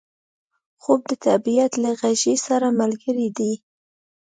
خوب د طبیعت له غیږې سره ملګری دی